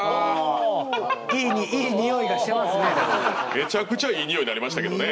めちゃくちゃいいにおいになりましたけどね。